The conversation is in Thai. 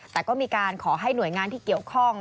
แต่ก็มีการขอให้หน่วยงานที่เกี่ยวข้อง